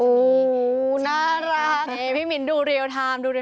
อู๊น่ารักพี่มินดูเรียลไทม์